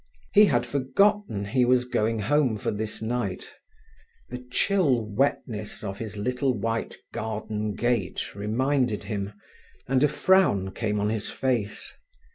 He had forgotten he was going home for this night. The chill wetness of his little white garden gate reminded him, and a frown came on his face.